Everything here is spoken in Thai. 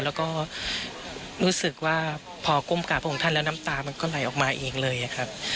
แล้วก็รู้สึกว่าพอก้มกราบพระองค์ท่านแล้วน้ำตามันก็ไหลออกมาเองเลยครับ